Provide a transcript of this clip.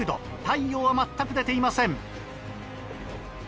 太陽は全く出ていません。